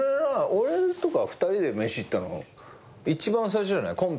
俺とか２人で飯行ったの一番最初じゃない？